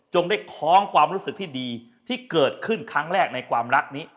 ได้คล้องความรู้สึกที่ดีที่เกิดขึ้นครั้งแรกในความรักนี้